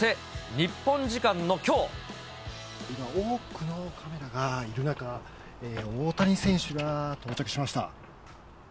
今、多くのカメラがいる中、大谷選手が到着しました。